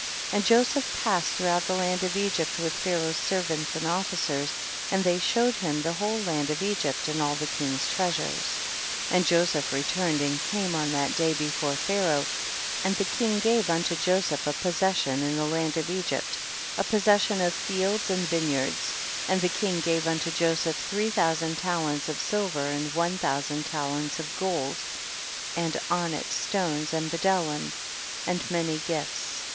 31. And Joseph passed through out the land of Egypt with Pharaoh's servants and officers, and they show ed him the whole land of Egypt and all the king's treasures. 32. And Joseph returned and came on that day before Pharaoh, and the king gave unto Joseph a 156 THE BOOK OF JASHER. possession in the land of Egypt, a possession of fields and vineyards, and the king gave unto Joseph three thousand talents of silver and one thousand talents of gold, and onyx stones and bdellium and many gifts.